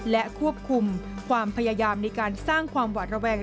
และควบคุมความพยายามในการสร้างความหวาดระแวง